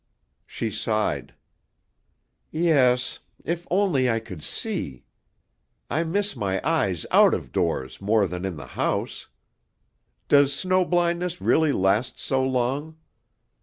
She sighed. "Yes if only I could see. I miss my eyes out of doors more than in the house. Does snow blindness really last so long?